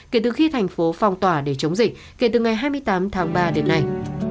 kể từ khi thành phố phong tỏa để chống dịch kể từ ngày hai mươi tám tháng ba đến nay